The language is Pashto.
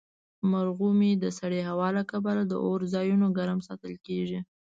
مرغومی د سړې هوا له کبله د اور ځایونه ګرم ساتل کیږي.